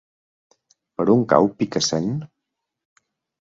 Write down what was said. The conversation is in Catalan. Per on cau Picassent?